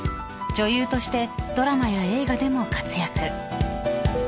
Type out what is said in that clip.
［女優としてドラマや映画でも活躍］